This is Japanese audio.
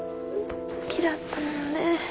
「好きだったものね」